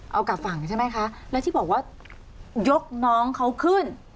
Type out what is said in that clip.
เอากลับฝั่งใช่ไหมคะแล้วที่บอกว่ายกน้องเขาขึ้น